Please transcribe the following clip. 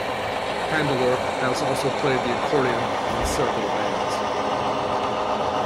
Handler has also played the accordion in several bands.